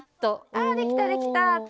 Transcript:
あできたできた！